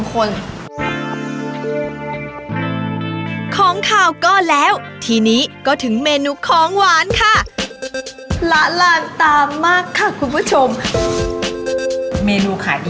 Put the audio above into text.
ของข่าวก็แล้วทีนี้ก็ถึงเมนูของหวานค่ะละลานตามากค่ะคุณผู้ชมเมนูขายดี